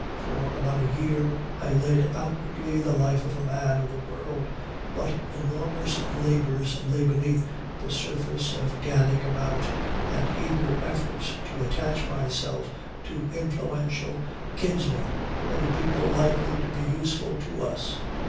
For about a year I led outwardly the life of a man of the world, but enormous labors lay beneath the surface of gadding about, and eager efforts to attach myself to influential kinsmen, or to people likely to be useful to us.